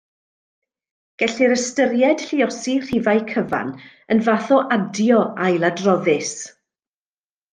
Gellir ystyried lluosi rhifau cyfan yn fath o adio ailadroddus.